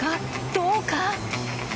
どうか？